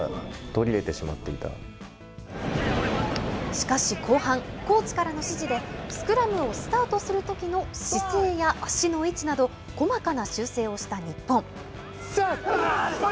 しかし後半、コーチからの指示で、スクラムをスタートするときの姿勢や足の位置など、細かな修正をした日本。